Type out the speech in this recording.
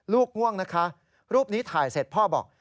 ง่วงนะคะรูปนี้ถ่ายเสร็จพ่อบอก